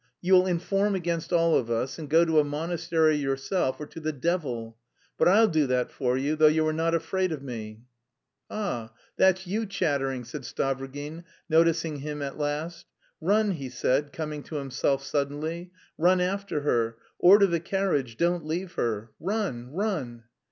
You'll inform against all of us, and go to a monastery yourself, or to the devil.... But I'll do for you, though you are not afraid of me!" "Ah! That's you chattering!" said Stavrogin, noticing him at last. "Run," he said, coming to himself suddenly, "run after her, order the carriage, don't leave her.... Run, run!